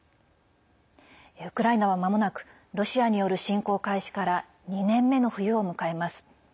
ウクライナは、まもなくロシアによる侵攻開始から２年目の冬を迎えます。